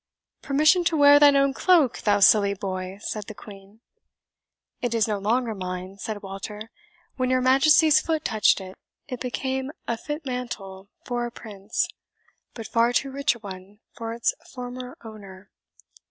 "Permission to wear thine own cloak, thou silly boy!" said the Queen. "It is no longer mine," said Walter; "when your Majesty's foot touched it, it became a fit mantle for a prince, but far too rich a one for its former owner."